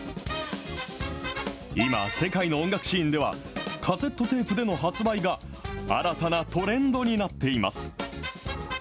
今、世界の音楽シーンでは、カセットテープでの発売が、新たなトレンドになっています。